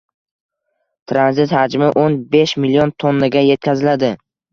tranzit hajmi o'n besh million tonnaga yetkaziladi.